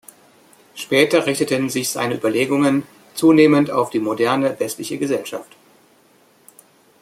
Später richteten sich seine Überlegungen zunehmend auf die moderne westliche Gesellschaft.